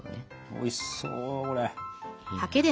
おいしそうこれ！いや。